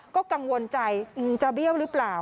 ก็กังวลใจจะเบี้ยวหรือเปล่า